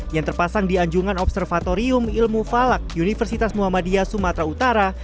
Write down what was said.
yang terpasang di anjungan observatorium ilmu falak universitas muhammadiyah sumatera utara